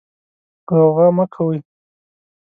غوغا مه کوئ.